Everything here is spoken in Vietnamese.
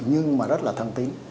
nhưng mà rất là thân tính